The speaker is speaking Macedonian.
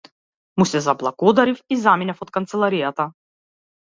Му се заблагодарив и заминав од канцеларијата.